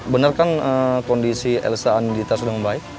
bener kan kondisi elsa dan dita sudah membaik